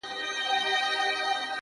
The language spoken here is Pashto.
o مستي، مستاني، سوخي، شنګي د شرابو لوري،